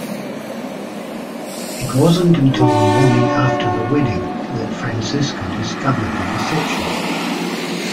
It wasn't until the morning after the wedding that Francesca discovered the deception.